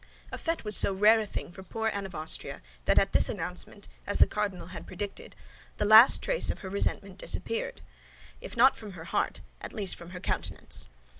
A fête was so rare a thing for poor Anne of Austria that at this announcement, as the cardinal had predicted, the last trace of her resentment disappeared, if not from her heart, at least from her countenance.